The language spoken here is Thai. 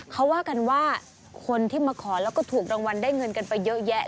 เขาว่ากันว่าคนที่มาขอแล้วก็ถูกรางวัลได้เงินกันไปเยอะแยะ